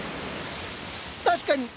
確かに。